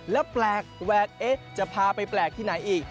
แล้วแปลกแวกเอ๊ะจะพาไปแปลกที่ไหนอีก